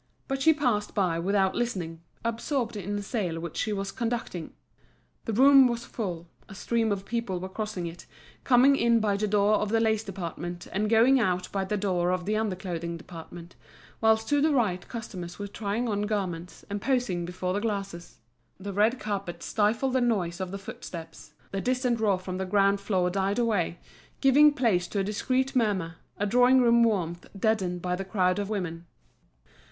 But she passed by without listening, absorbed in a sale which she was conducting. The room was full, a stream of people were crossing it, coming in by the door of the lace department and going out by the door of the under clothing department, whilst to the right customers were trying on garments, and posing before the glasses. The red carpet stifled the noise of the footsteps, the distant roar from the ground floor died away, giving place to a discreet murmur, a drawing room warmth deadened by the crowd of women.